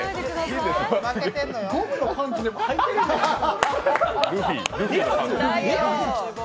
ごむのパンツでも履いてるんじゃないか？